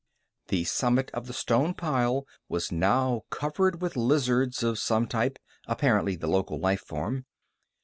The summit of the stone pile was now covered with lizards of some type, apparently the local life form.